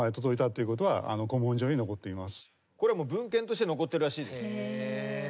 これはもう文献として残ってるらしいです。